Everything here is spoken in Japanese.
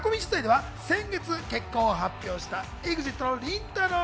囲み取材では先月結婚を発表したＥＸＩＴのりんたろー。